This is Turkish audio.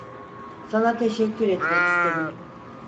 Sana teşekkür etmek istedim.